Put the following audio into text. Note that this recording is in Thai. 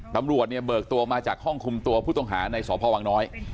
ตำรวจเนี่ยเบิกตัวมาจากห้องคุมตัวผู้ต้องหาในสพวังน้อย